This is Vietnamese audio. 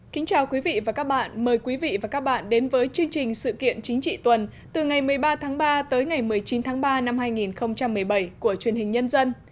kính chào quý vị và các bạn mời quý vị và các bạn đến với chương trình sự kiện chính trị tuần từ ngày một mươi ba tháng ba tới ngày một mươi chín tháng ba năm hai nghìn một mươi bảy của truyền hình nhân dân